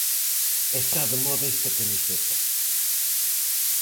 E está de moda esta camiseta.